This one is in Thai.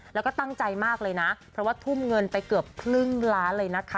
แล้วก็ตั้งใจมากเลยนะเพราะว่าทุ่มเงินไปเกือบครึ่งล้านเลยนะคะ